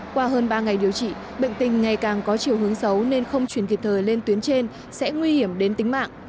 qua hơn ba ngày điều trị bệnh tình ngày càng có chiều hướng xấu nên không chuyển kịp thời lên tuyến trên sẽ nguy hiểm đến tính mạng